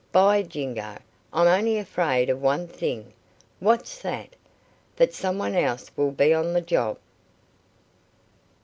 By jingo, I'm only afraid of one thing." "What's that?" "That some one else will be on the job."